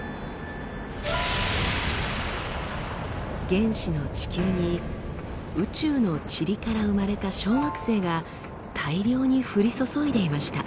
原始の地球に宇宙のチリから生まれた小惑星が大量に降り注いでいました。